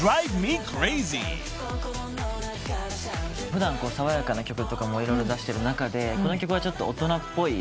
普段爽やかな曲とか色々出してる中でこの曲はちょっと大人っぽい。